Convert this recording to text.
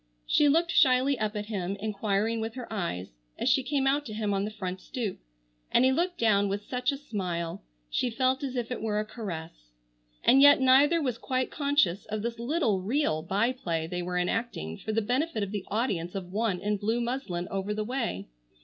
She looked shyly up at him, enquiring with her eyes, as she came out to him on the front stoop, and he looked down with such a smile she felt as if it were a caress. And yet neither was quite conscious of this little real by play they were enacting for the benefit of the audience of one in blue muslin over the way.